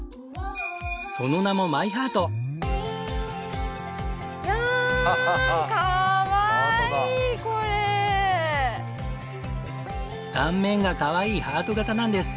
その名も断面がかわいいハート形なんです。